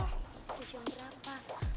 dia jam berapa